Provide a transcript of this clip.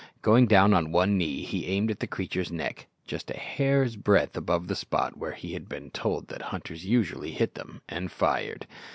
Going down on one knee he aimed at the creature's neck, just a hair's breadth above the spot where he had been told that hunters usually hit them, and fired.